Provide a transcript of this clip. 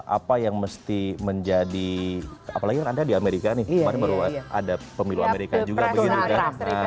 apa yang mesti menjadi apalagi kan anda di amerika nih kemarin baru ada pemilu amerika juga begitu kan